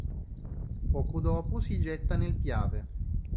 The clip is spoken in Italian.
Poco dopo si getta nel Piave.